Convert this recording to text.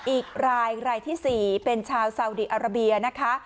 อีกรายรายที่๔เป็นชาวซาวดีอาราเบียนะคะ